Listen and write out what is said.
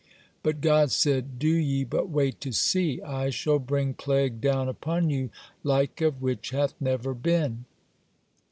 But God said: "Do ye but wait to see. I shall bring plague down upon you like of which hath never been."